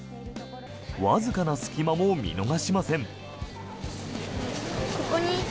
わずかな隙間も見逃しません。